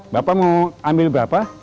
bapak mau ambil berapa